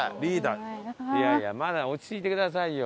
いやいやまだ落ち着いてくださいよ。